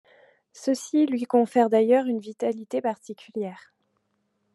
Ceci lui confère d'ailleurs une vitalité particulière.